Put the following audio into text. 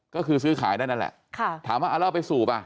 ก็คือซื้อขายได้นั่นแหละถามว่าเอาไปสูบ